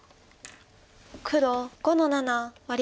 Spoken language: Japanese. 黒５の七ワリコミ。